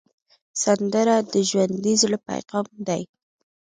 سندره د ژوندي زړه پیغام دی